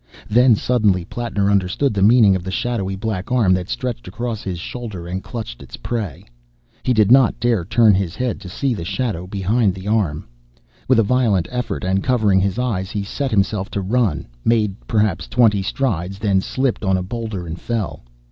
Then suddenly Plattner understood the meaning of the shadowy black arm that stretched across his shoulder and clutched its prey. He did not dare turn his head to see the Shadow behind the arm. With a violent effort, and covering his eyes, he set himself to run, made, perhaps, twenty strides, then slipped on a boulder, and fell.